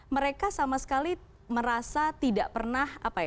mereka sama sekali merasa tidak bisa berpikir pikir